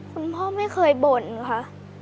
คุณพ่อไม่เคยบ่นค่ะ